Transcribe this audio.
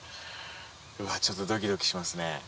うわちょっとドキドキしますね。